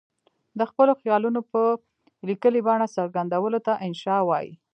د خپلو خیالونو په لیکلې بڼه څرګندولو ته انشأ وايي.